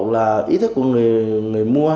là ý thức của người mua